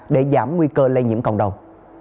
để giảm nguy cơ lây nhiễm cộng đồng